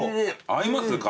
合いますか？